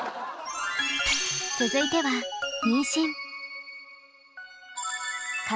続いては妊娠。